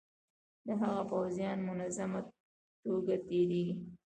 د هغه پوځیان منظمه توګه تیریږي.